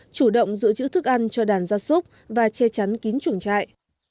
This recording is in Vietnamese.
chủ động dự trữ thức ăn cho đàn gia súc và che chắn kín chuồng trại